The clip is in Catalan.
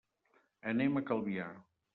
Anem a Calvià.